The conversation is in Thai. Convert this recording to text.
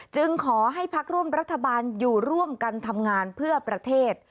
จึงขอให้พักร่วมรัฐบาลอยู่ร่วมกันทำงานเพื่อประเทศ